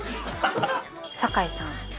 酒井さん。